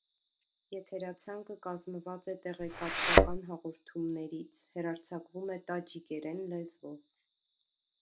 Եթերացանկը կազմված է տեղեկատվական հաղորդումներից, հեռարձակվում է տաջիկերեն լեզվով։